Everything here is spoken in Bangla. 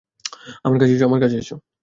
আমার কাছে আসো!